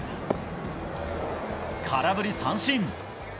空振り三振。